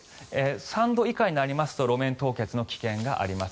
３度以下になりますと路面凍結の危険があります。